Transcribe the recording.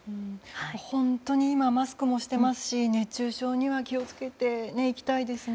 本当に今、マスクもしてますし熱中症には気をつけていきたいですね。